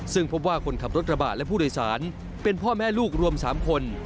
ซึ่งพบว่าคนขับรถกระบะและผู้โดยสารเป็นพ่อแม่ลูกรวม๓คน